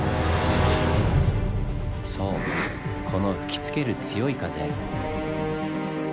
そうこの吹きつける強い風。